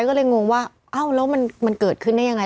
ก็เลยงงว่าเอ้าแล้วมันเกิดขึ้นได้ยังไง